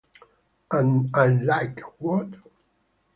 And I'm like, 'What?'.